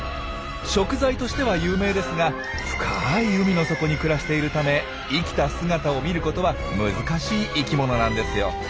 食材としては有名ですが深い海の底に暮らしているため生きた姿を見ることは難しい生きものなんですよ。